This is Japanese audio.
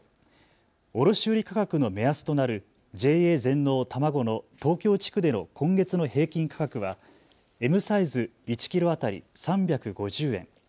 卸売価格の目安となるＪＡ全農たまごの東京地区での今月の平均価格はＭサイズ１キロ当たり３５０円。